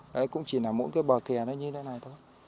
đấy cũng chỉ là mỗi cái bờ kè nó như thế này thôi